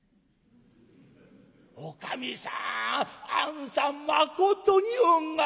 おかみさんあんさんまことに運がよろしい。